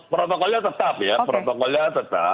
protokolnya tetap ya